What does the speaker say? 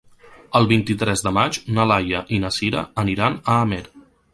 El vint-i-tres de maig na Laia i na Sira aniran a Amer.